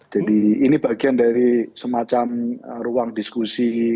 jadi ini bagian dari semacam ruang diskusi